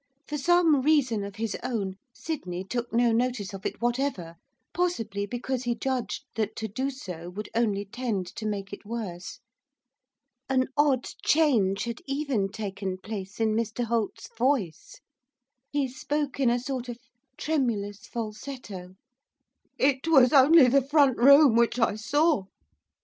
For some reason of his own, Sydney took no notice of it whatever, possibly because he judged that to do so would only tend to make it worse. An odd change had even taken place in Mr Holt's voice, he spoke in a sort of tremulous falsetto. 'It was only the front room which I saw.